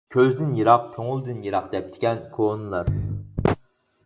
«كۆزدىن يىراق، كۆڭۈلدىن يىراق» دەپتىكەن كونىلار.